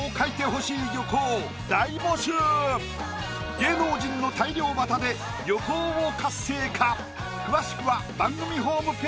芸能人の大漁旗で漁港を活性化。